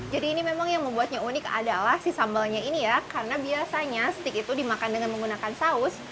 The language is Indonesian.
jadi ini memang yang membuatnya unik adalah si sambalnya ini ya karena biasanya stik itu dimakan dengan menggunakan saus